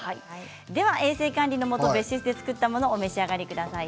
衛生管理のもと別室で作ったものをお召し上がりください。